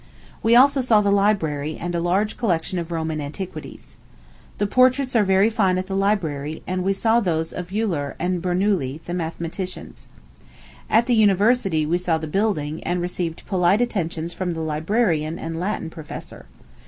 We also saw the library, and a large collection of Roman antiquities. The portraits are very fine at the library; and we saw those of Euler and Bernouilli, the mathematicians. At the university we saw the building, and received polite attentions from the librarian and Latin professor.